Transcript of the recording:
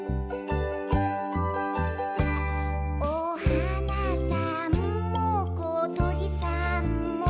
「おはなさんもことりさんも」